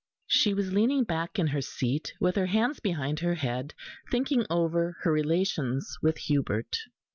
She was leaning back in her seat, with her hands behind her head, thinking over her relations with Hubert.